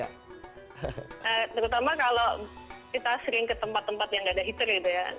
terutama kalau kita sering ke tempat tempat yang gak ada heater gitu ya